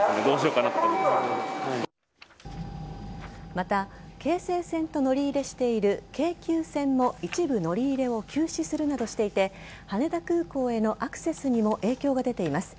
また、京成線と乗り入れしている京急線も一部乗り入れを休止するなどしていて羽田空港へのアクセスにも影響が出ています。